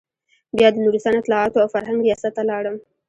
بيا د نورستان اطلاعاتو او فرهنګ رياست ته لاړم.